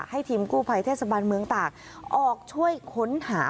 ให้ทีมกู้ภัยเทศบาลเมืองตากออกช่วยค้นหา